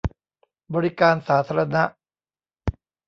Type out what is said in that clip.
บริการสาธารณะ